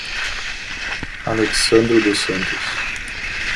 Alexsandro dos Santos